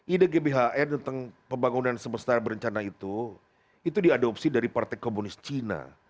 ide gbhn tentang pembangunan semesta berencana itu itu diadopsi dari partai komunis cina